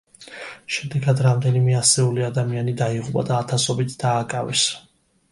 შედეგად, რამდენიმე ასეული ადამიანი დაიღუპა და ათასობით დააკავეს.